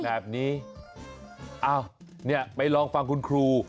แบบนี้อ้าวเนี่ยไปลองฟังคุณครู